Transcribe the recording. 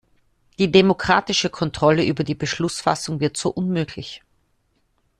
Die demokratische Kontrolle über die Beschlussfassung wird so unmöglich.